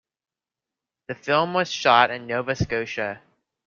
The film was shot in Nova Scotia.